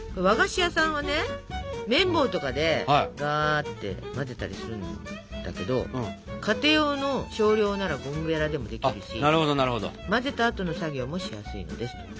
和菓子屋さんはねめん棒とかでガーッて混ぜたりするんだけど家庭用の少量ならゴムべらでもできるし混ぜた後の作業もしやすいのです。